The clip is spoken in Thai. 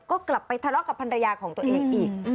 ก็กลับไปทะเลาะกับภรรยาของตัวเองอีก